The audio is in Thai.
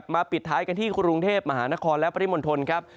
มาปิดท้ายกันที่คุณรุงเทพฯมหานครและปฏิมนต์ทนครับ